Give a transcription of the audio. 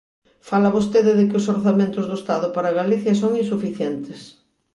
Fala vostede de que os orzamentos do Estado para Galicia son insuficientes.